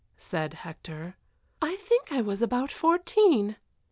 said Hector. "I think I was about fourteen."